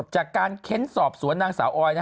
จากการเค้นสอบสวนนางสาวออย